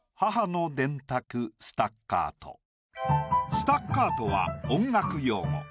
スタッカートは音楽用語。